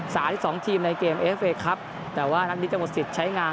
สามสิบสองทีมในเกมเอฟเวย์ครับแต่ว่านัดนี้จะหมดสิทธิ์ใช้งาน